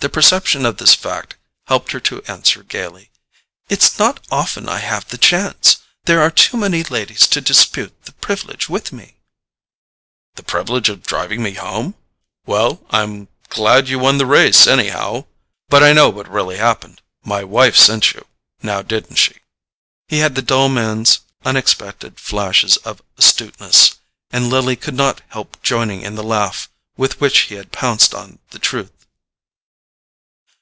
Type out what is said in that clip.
The perception of this fact helped her to answer gaily: "It's not often I have the chance. There are too many ladies to dispute the privilege with me." "The privilege of driving me home? Well, I'm glad you won the race, anyhow. But I know what really happened—my wife sent you. Now didn't she?" He had the dull man's unexpected flashes of astuteness, and Lily could not help joining in the laugh with which he had pounced on the truth.